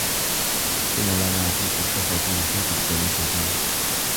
kuma lamaa fi dhibba sadii fi digdamii sadii